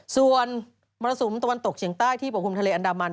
ส่วนมรสุมตะวันตกเฉียงใต้ที่ปกคลุมทะเลอันดามัน